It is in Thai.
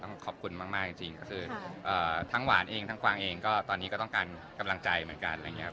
ขอบคุณมากจริงก็คือทั้งหวานเองทั้งกวางเองก็ตอนนี้ก็ต้องการกำลังใจเหมือนกันอะไรอย่างนี้ครับ